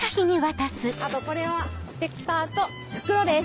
あとこれはステッカーと袋です。